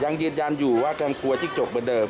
ยังยืนยันอยู่ว่ายังกลัวจิ้งจกเหมือนเดิม